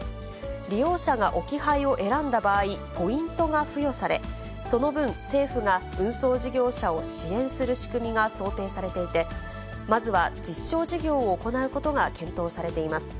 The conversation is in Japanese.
利用者が置き配を選んだ場合、ポイントが付与され、その分、政府が運送事業者を支援する仕組みが想定されていて、まずは実証事業を行うことが検討されています。